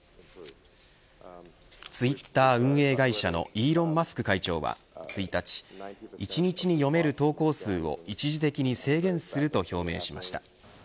ツイッター運営会社のイーロン・マスク会長は１日１日に読める投稿数を一時的に制限すると表明しました。